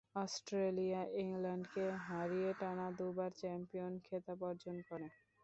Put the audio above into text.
Australia ইংল্যান্ডকে হারিয়ে টানা দুবার চ্যাম্পিয়ন খেতাব অর্জন করে।